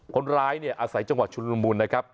คนร้ายเนี่ยอาศัยจังหวัดชุดละมุนนะครับ